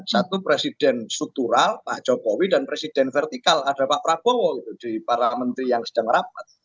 satu presiden struktural pak jokowi dan presiden vertikal ada pak prabowo di para menteri yang sedang rapat